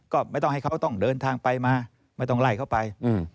ก็ไม่ต้องให้เขาต้องเดินทางไปมาไม่ต้องไล่เขาไป